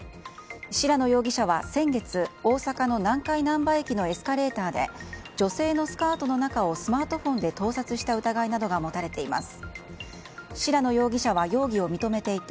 白野容疑者は先月、大阪の南海なんば駅のエスカレーターで女性のスカートの中をスマートフォンで盗撮した疑いなどが持たれています。